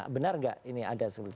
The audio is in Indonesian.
benar nggak ini ada